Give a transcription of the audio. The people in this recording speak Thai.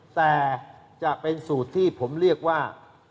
แต่จะเป็นสูตรที่ผมเรียกว่า